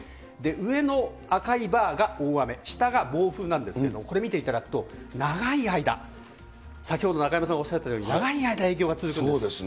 上の赤いバーが大雨、下が暴風なんですけど、これ見ていただくと、長い間、先ほど、中山さんおっしゃったように、長い間影響が続くんです。